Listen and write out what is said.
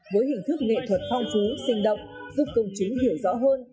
với hình thức nghệ thuật phong phú sinh động giúp công chúng hiểu rõ hơn